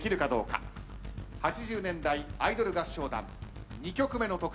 ８０年代アイドル合唱団２曲目の得点こちらです。